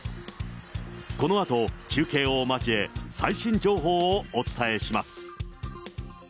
このあと、中継を交え、最新情報をお伝えします。